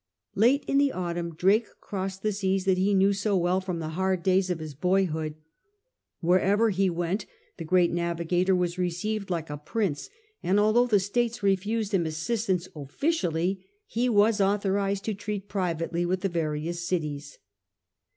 Late in the autumn Drake crossed the seas that he knew so well from the hard days of his boyhood. Wherever he went, the great navigator was received like a prince, and although the States refused him assistance officially, he was authorised to treat privately with the various cities.